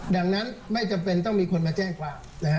ดังนั้นไม่จำเป็นต้องมีคนมาแจ้งความ